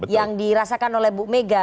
yang dirasakan oleh bu mega